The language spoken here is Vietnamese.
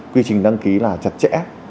quy trình đăng ký là chặt chẽ